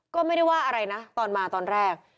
ก็ไม่ได้ว่าอะไรนะตอนมาตอนแรก